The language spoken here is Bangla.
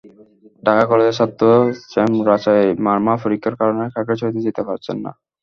ঢাকা কলেজের ছাত্র ছেমরাচাই মারমা পরীক্ষার কারণে খাগড়াছড়িতে যেতে পারছেন না।